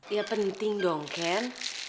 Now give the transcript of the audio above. ya penting dong ken